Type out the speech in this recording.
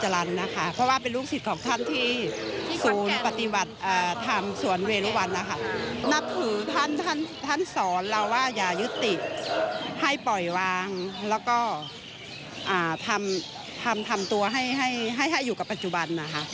แล้วก็ทำตัวให้อยู่กับปัจจุบันนะคะ